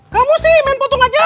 kamu sih main potong aja